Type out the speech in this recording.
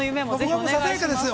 ◆僕はささやかですよ。